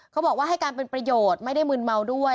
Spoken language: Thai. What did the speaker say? เขาบอกว่าให้การเป็นประโยชน์ไม่ได้มืนเมาด้วย